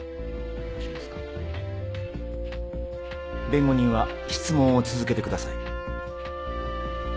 弁護人は質問を続けてください。